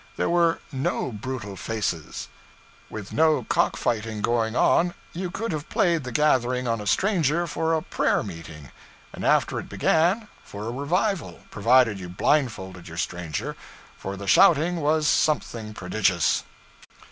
There were no brutal faces. With no cock fighting going on, you could have played the gathering on a stranger for a prayer meeting; and after it began, for a revival provided you blindfolded your stranger for the shouting was something prodigious.